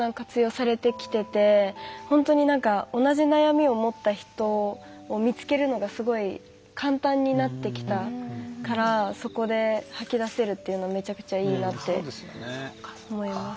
今、ＳＮＳもたくさん活用されてきていて同じような悩みを持っている人を見つけるのが簡単になってきたからそこで吐き出せるというのめちゃくちゃいいなって思います。